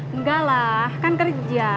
enggak lah kan kerja